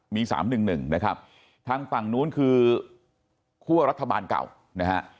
มี๓๑๑นะครับทางฝั่งนู้นคือคั่วรัฐบาลเก่านะฮะ